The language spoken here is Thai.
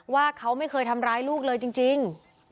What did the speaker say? ว่าเขาไม่เคยทำร้ายลูกเลยจริง